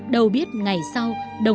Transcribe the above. đầu biết ngày sau